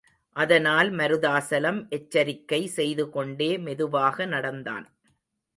அதனால் மருதாசலம் எச்சரிக்கை செய்துகொண்டே, மெதுவாக நடந்தான்.